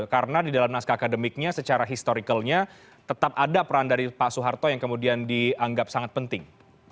karena di dalam naskah akademiknya secara historikalnya tetap ada peran dari pak soeharto yang kemudian dianggap sangat penting